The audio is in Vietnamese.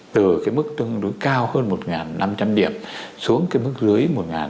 từ cái mức tương đối cao hơn một năm trăm linh điểm xuống cái mức dưới một năm trăm linh